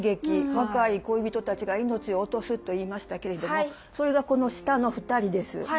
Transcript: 若い恋人たちが命を落とすと言いましたけれどもそれがこの下の２人です。